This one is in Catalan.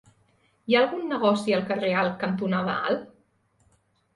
Hi ha algun negoci al carrer Alt cantonada Alt?